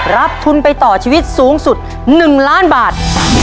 รับทุนไปต่อชีวิตสูงสุด๑ล้านบาท